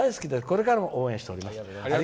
これからも応援しております」。